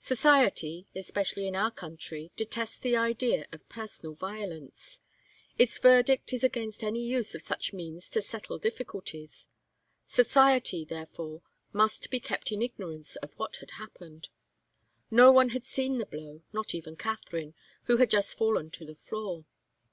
Society, especially in our country, detests the idea of personal violence. Its verdict is against any use of such means to settle difficulties. Society, therefore, must be kept in ignorance of what had happened. No one had seen the blow, not even Katharine, who had just fallen to the floor.